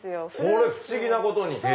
不思議なことに。